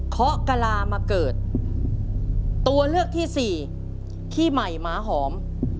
ขอกะลามาเกิดตัวเลือกที่สี่ขี้ใหม่หมาหอม